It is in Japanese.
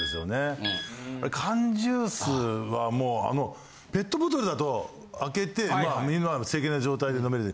缶ジュースはもうペットボトルだと開けて素敵な状態で飲める。